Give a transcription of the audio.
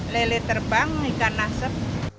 lele terbang ikan asap